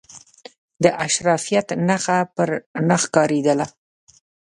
د اشرافیت نخښه پر نه ښکارېدله.